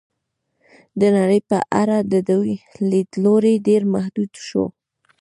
د نړۍ په اړه د دوی لید لوری ډېر محدود شو.